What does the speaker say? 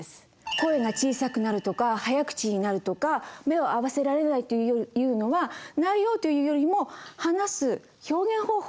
声が小さくなるとか早口になるとか目を合わせられないっていうのは内容というよりも話す表現方法